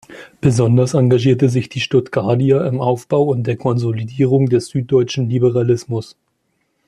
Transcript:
Besonders engagierte sich die Stuttgardia im Aufbau und der Konsolidierung des süddeutschen Liberalismus.